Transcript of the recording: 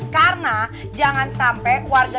karena jangan sampe warga